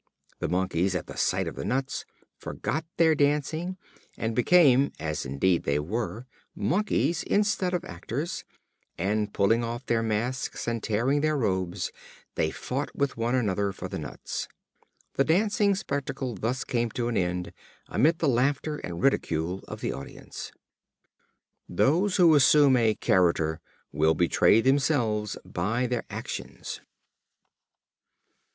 The Monkeys, at the sight of the nuts, forgot their dancing, and became (as indeed they were) Monkeys instead of actors, and pulling off their masks and tearing their robes, they fought with one another for the nuts. The dancing spectacle thus came to an end, amidst the laughter and ridicule of the audience. They who assume a character will betray themselves by their actions.